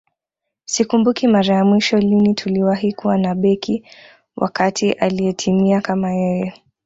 Sikumbuki mara ya mwisho lini tuliwahi kuwa na beki wa kati aliyetimia kama yeye